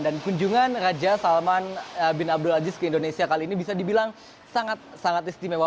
dan kunjungan raja salman bin abdul aziz ke indonesia kali ini bisa dibilang sangat istimewa